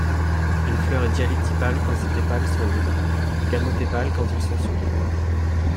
Une fleur est dialytépale quand ses tépales sont libres, gamotépale quand ils sont soudés.